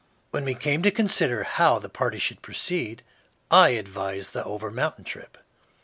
When we came to consider how the party should proceed, I advised the over mountain trip.